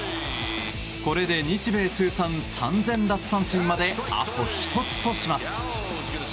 これで日米通算３０００奪三振まであと１つとします。